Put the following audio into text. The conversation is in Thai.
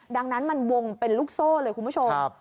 ดังนั้นมันวงเป็นลูกโซ่เลยคุณผู้ชม